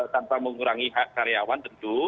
tanpa mengurangi hak karyawan tentu